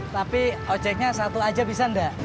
tapi ojeknya satu aja bisa enggak